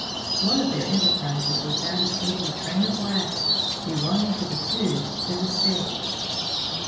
One of their enterprises was that of sending a train of wagons belonging to the two to the States.